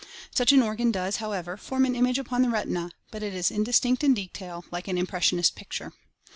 Such an organ does, however, form an image upon the retina, but it is indistinct in detail like an impressionist picture.